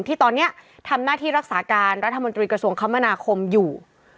ที่ตอนนี้ทำหน้าที่รักษาการรัฐมนตรีกระทรวงคมนาคมอยู่